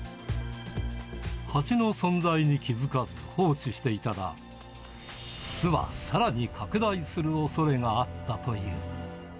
ハチの存在に気付かず放置していたら、巣はさらに拡大するおそれがあったという。